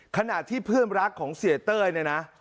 ขณะที่เพื่อนรักของเสียเต้ยเนี่ยนะ